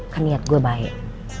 kan niat gue baik